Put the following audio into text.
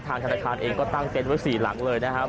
ธนาคารเองก็ตั้งเต็นต์ไว้๔หลังเลยนะครับ